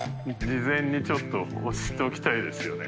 事前にちょっと押しておきたいですよね。